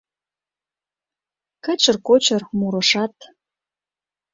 Кычыр-кочыр мурышат, -